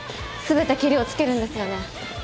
全てけりをつけるんですよね？